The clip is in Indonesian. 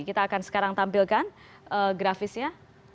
kita akan sekarang tampilkan grafisnya